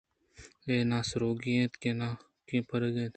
اے نا سُرَگی اِنت ءُ ناکہ پُرَگی